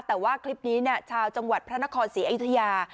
แต่ว่าคลิปนี้ชาวจังหวัดพระนครศรีอยุธยา